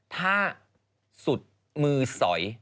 ถ้าสุดมือสอย